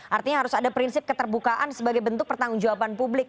artinya harus ada prinsip keterbukaan sebagai bentuk pertanggung jawaban publik